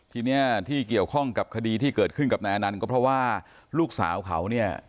ทีนี้ที่เกี่ยวข้องกับคดีที่เกิดขึ้นกับนายอนันต์ก็เพราะว่าลูกสาวเขาเนี่ย